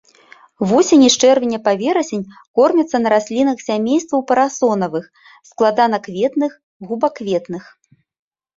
Вусені з чэрвеня па верасень кормяцца на раслінах сямействаў парасонавых, складанакветных, губакветных.